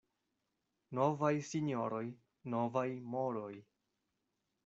Novaj sinjoroj — novaj moroj.